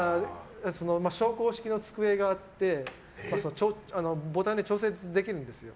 昇降式の机があってボタンで調節できるんですよ。